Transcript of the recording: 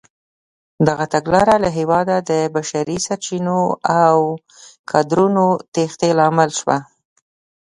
دغه تګلاره له هېواده د بشري سرچینو او کادرونو تېښتې لامل شوه.